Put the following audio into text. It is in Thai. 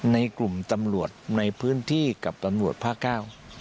ในกลุ่มตำรวจในพื้นที่กับตำรวจภาคเก้า